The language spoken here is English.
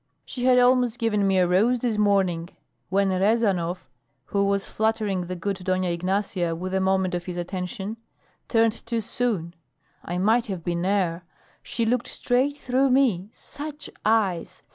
"She had almost given me a rose this morning, when Rezanov, who was flattering the good Dona Ignacia with a moment of his attention, turned too soon. I might have been air. She looked straight through me. Such eyes!